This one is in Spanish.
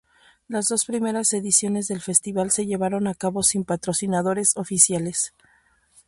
Las dos primeras ediciones del Festival se llevaron a cabo sin patrocinadores oficiales.